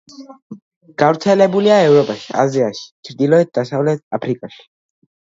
გავრცელებულია ევროპაში, აზიაში, ჩრდილოეთ-დასავლეთ აფრიკაში.